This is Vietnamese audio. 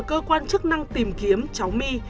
cơ quan chức năng tìm kiếm cháu my